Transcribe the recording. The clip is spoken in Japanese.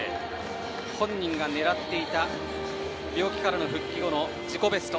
本人が狙っていた病気からの復帰後の自己ベスト。